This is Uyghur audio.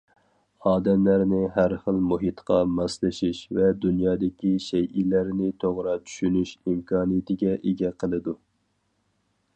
ئادەملەرنى ھەر خىل مۇھىتقا ماسلىشىش ۋە دۇنيادىكى شەيئىلەرنى توغرا چۈشىنىش ئىمكانىيىتىگە ئىگە قىلىدۇ.